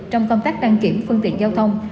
trong công tác đăng kiểm phương tiện giao thông